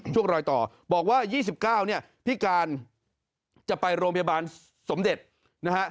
ช่วงรอยต่อบอกว่า๒๙เนี่ยพิการจะไปโรงพยาบาลสมเด็จนะฮะ